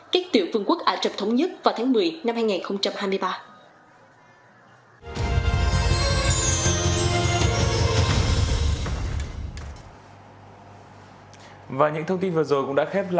cách tiểu phương quốc ả trập thống nhất vào tháng một mươi năm hai nghìn hai mươi ba